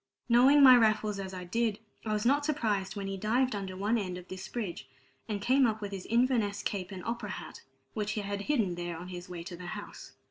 Knowing my Raffles as I did, I was not surprised when he dived under one end of this bridge, and came up with his Inverness cape and opera hat, which he had hidden there on his way to the house.